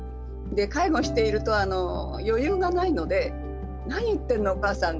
介護していると余裕がないので「何言ってるのお母さん。